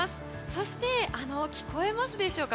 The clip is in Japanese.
そして、聞こえますでしょうか。